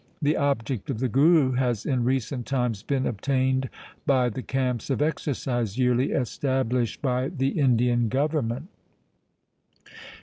The object of the Guru has in recent times been obtained by the camps of exercise yearly established by the Indian Government.